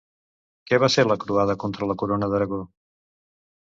Què va ser la croada contra la corona d'Aragó?